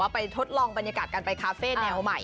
ไปทดลองบรรยากาศการไปคาเฟ่แนวใหม่